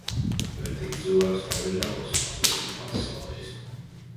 Vērtīgu cilvēku slavē ļaudis, mazvērtīgs pats slavējas.